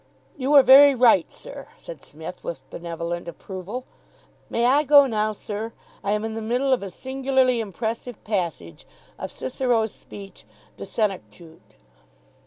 "You are very right, sir," said Psmith with benevolent approval. "May I go now, sir? I am in the middle of a singularly impressive passage of Cicero's speech De Senectute."